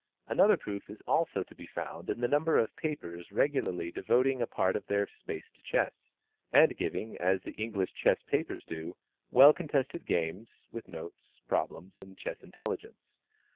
Another proof is also to be found in the number of papers regularly devoting a part of their space to chess, and giving, as the English chess papers do, well contested games, with notes, problems, and chess intelligence.